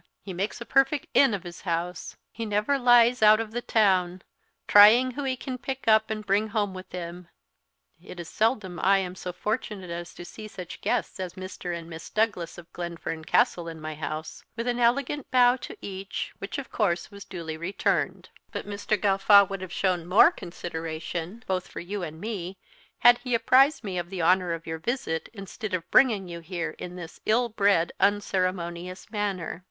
He makes a perfect inn of his house. He never lies out of the town, trying who he can pick up and bring home with him. It is seldom I am so fortunate as to see such guests as Mr. and Miss Douglas of Glenfern Castle in my house," with an elegant bow to each, which of course was duly returned. "But Mr. Gawffaw would have shown more consideration, both for you and me, had he apprised me of the honour of your visit, instead of bringing you here in this ill bred, unceremonious manner.